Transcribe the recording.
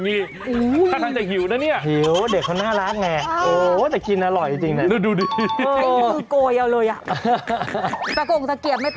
ลูกเอ้ยไม่อดมาจากไหนแล้วลูกเอ้ยหิวมากว่าพ่อ